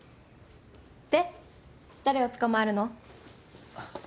で誰を捕まえるの？